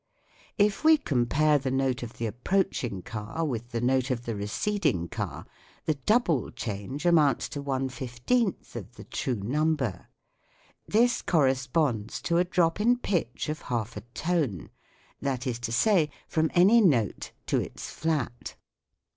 If we compare the note of the approaching car with the note of the receding car, the double change amounts to one fifteenth of the true number. This corresponds to a drop in pitch of half a tone : that is to say, from any note to its flat.